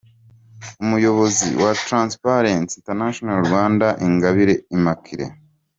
Umuyobozi wa Transparency International Rwanda, Ingabire M.